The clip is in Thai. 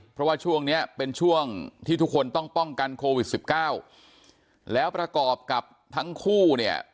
เพราะว่าช่วงเนี้ยเป็นช่วงที่ทุกคนต้องป้องกันโควิดสิบเก้าแล้วประกอบกับทั้งคู่เนี่ย